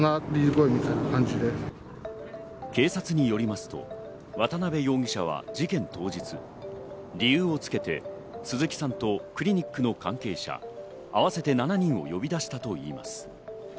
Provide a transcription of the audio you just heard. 警察によりますと渡辺容疑者は事件当日、理由をつけて鈴木さんとクリニックの関係者、合わせて７人を呼び出したといいます。